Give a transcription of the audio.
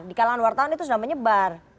di kalangan wartawan itu sudah menyebar